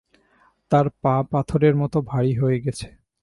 তাঁর পা পাথরের মতো ভারি হয়ে গেছে।